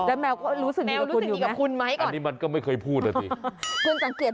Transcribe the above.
และแมวก็รู้สึกดีกับคุณอยู่ไหมนะครับ